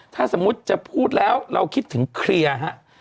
ถ้าสมมุติจะพูดแล้วเราคิดถึงเคลียร์ฮะ